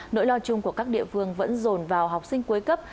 nỗi lo chung của các địa phương vẫn dồn vào học sinh cuối cấp